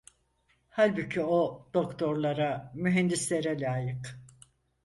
Halbuki o doktorlara, mühendislere layık…